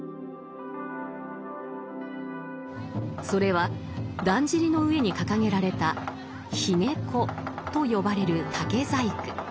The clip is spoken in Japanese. それはだんじりの上に掲げられた「髯籠」と呼ばれる竹細工。